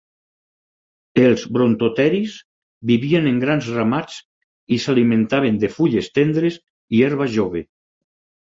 Els brontoteris vivien en grans ramats i s'alimentaven de fulles tendres i herba jove.